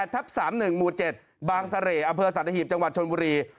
๘๘ทัพ๓๑หมู่๗บางเสระอสัตยาหีบจังหวัดชนบุรี